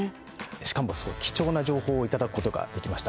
しかも貴重な情報をいただくことができました。